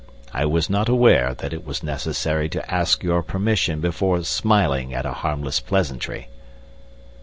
I was not aware that it was necessary to ask your permission before smiling at a harmless pleasantry."